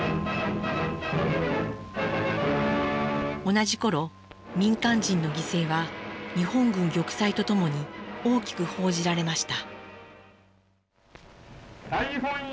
同じ頃民間人の犠牲は日本軍玉砕とともに大きく報じられました。